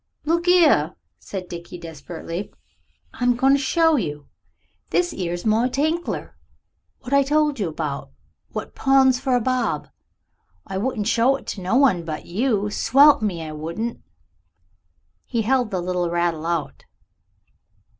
"Look 'ere," said Dickie desperately. "I'm a goin' to show you. This 'ere's my Tinkler, what I told you about, what pawns for a bob. I wouldn't show it to no one but you, swelp me, I wouldn't." He held the rattle out.